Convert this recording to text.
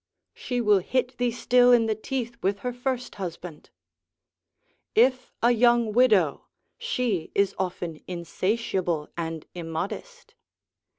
she will hit thee still in the teeth with her first husband; if a young widow, she is often insatiable and immodest.